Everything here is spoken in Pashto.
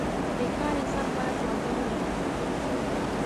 بې کاره انسان باید واده ونه کړي.